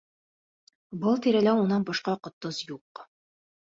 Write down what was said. Был тирәлә унан башҡа Ҡотдос юҡ.